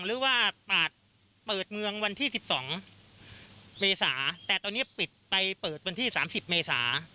หรือว่าตาดเปิดเมืองวันที่๑๒เมษาแต่ตอนนี้ปิดไปเปิดวันที่๓๐เมษา